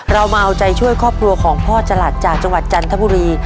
เรามาเอาใจช่วยครอบครัวของพ่อจรัสจากจังหวัดจันทบุรี